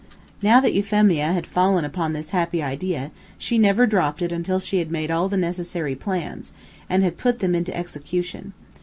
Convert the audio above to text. Now that Euphemia had fallen upon this happy idea, she never dropped it until she had made all the necessary plans, and had put them into execution.